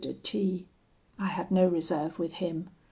de T : I had no reserve with him.